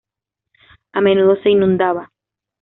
A menudo se inundaba.